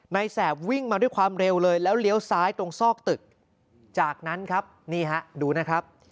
แสบวิ่งมาด้วยความเร็วเลยแล้วเลี้ยวซ้ายตรงซอกตึกจากนั้นครับนี่ฮะดูนะครับ